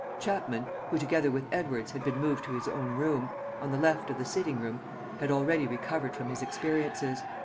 Chapman, who together with Edwards, had been moved to his own room, on the left of the sitting room, had already recovered from his experiences.